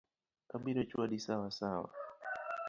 Abiro chwadi sawasawa.